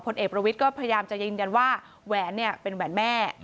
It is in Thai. เอกประวิทย์ก็พยายามจะยืนยันว่าแหวนเนี่ยเป็นแหวนแม่